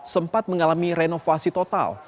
sempat mengalami renovasi total